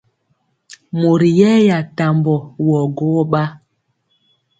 Mori yɛya tambɔ wɔ gwogɔ ɓa.